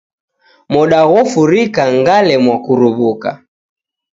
Moda ghofurika ngalemwa kuruw'uka